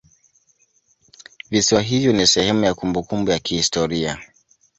Visiwa hivyo ni sehemu ya kumbukumbu ya kihistoria